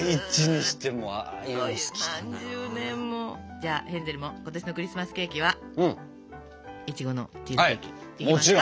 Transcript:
じゃあヘンゼルも今年のクリスマスケーキはいちごのチーズケーキいきますか？